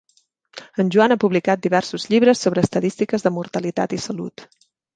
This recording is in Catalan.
En Joan ha publicat diversos llibres sobre estadístiques de mortalitat i salut.